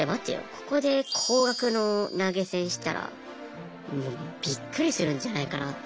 ここで高額の投げ銭したらもうビックリするんじゃないかなって。